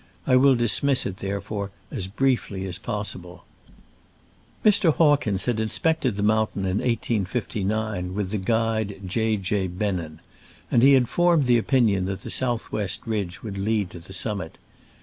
I will dismiss it, therefore, as briefly as possible. Mr. Hawkins had inspected the moun tain in 1859 with the guide J. J. Bennen, and he had formed the opinion that the south west ridge would lead to the sum mit.